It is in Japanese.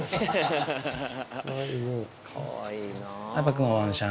かわいいね。